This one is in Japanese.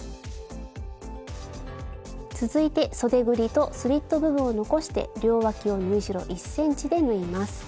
続いてそでぐりとスリット部分を残して両わきを縫い代１ｃｍで縫います。